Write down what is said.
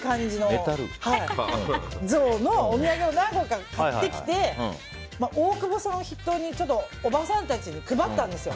何というか、メタルっぽい感じのゾウのお土産を何個か買ってきて大久保さんを筆頭におばさんたちに配ったんですよ。